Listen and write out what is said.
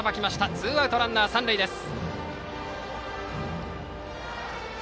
ツーアウトランナー、三塁です。